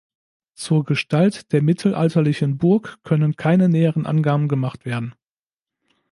Zur Gestalt der mittelalterlichen Burg können keine näheren Angaben gemacht werden.